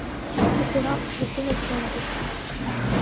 Абриак рзынагӡандаз…